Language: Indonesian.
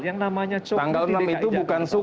yang namanya coklet di dki jakarta